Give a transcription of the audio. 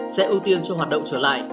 sẽ ưu tiên cho hoạt động trở lại